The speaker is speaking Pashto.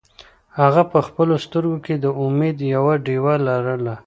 هغه په خپلو سترګو کې د امید یوه ډېوه لرله.